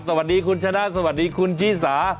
สวัสดีคุณฉะนั้นสวัสดีคุณจี้สา